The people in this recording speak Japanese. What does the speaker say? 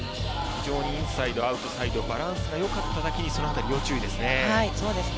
インサイド、アウトサイドバランスがよかったのでその辺り要注意ですね。